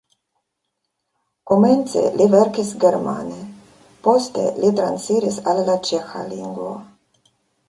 Komence li verkis germane, poste li transiris al la ĉeĥa lingvo.